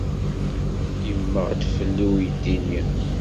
Yemmeɣ-d fell-i uydi-nni.